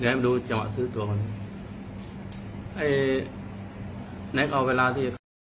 เดี๋ยวผมดูจังหวะซื้อตัวคนนี้เอ่อเน็ตเอาเวลาที่